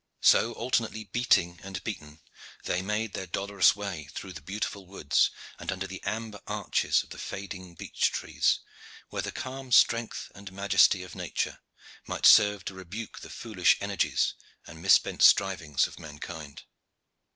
So, alternately beating and beaten, they made their dolorous way through the beautiful woods and under the amber arches of the fading beech trees, where the calm strength and majesty of Nature might serve to rebuke the foolish energies and misspent strivings of mankind.